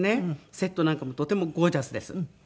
セットなんかもとてもゴージャスです。